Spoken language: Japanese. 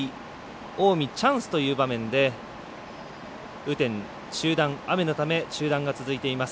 近江チャンスという場面で雨のため中断が続いています。